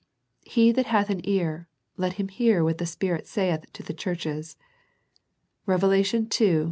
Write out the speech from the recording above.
He that hath an ear, let him hear what the Spirit saith to the churches." Rev. ii : 18 29.